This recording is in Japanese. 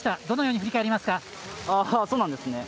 どのように振り返りますか？